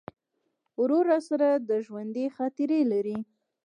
ورور سره د ژوندي خاطرې لرې.